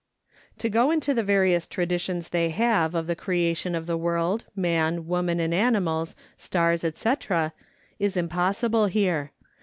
To go into the various traditions they have of the creation of the world, man, woman, and animals, stars, &c., is impossible here.